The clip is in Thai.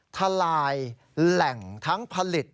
ทลายแหล่งทั้งผลิต